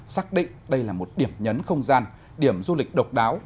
xác định đây là một điểm nhấn không gian điểm du lịch độc đáo